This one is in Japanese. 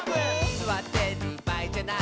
「すわってるばあいじゃない」